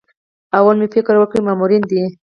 لومړی مې فکر وکړ مامورینې دي.